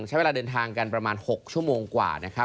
ใช้เวลาเดินทางกันประมาณ๖ชั่วโมงกว่านะครับ